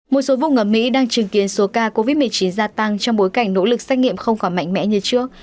một số vùng ở mỹ đang chứng kiến số ca covid một mươi chín gia tăng trong bối cảnh nỗ lực xét nghiệm không còn mạnh mẽ như trước